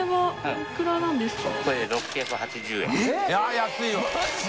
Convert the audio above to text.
安いよ。